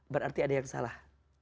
berarti ada yang salah